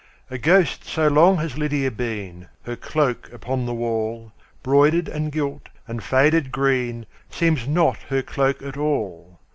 A ghost so long has Lydia been, Her cloak upon the wall, Broidered, and gilt, and faded green, Seems not her cloak at all.